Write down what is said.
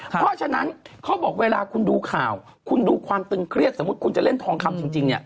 เพราะฉะนั้นเวลาคุณดูข่าวคุณดูความตึงเครียดถ้าคุณจะเล่นทองคำจริง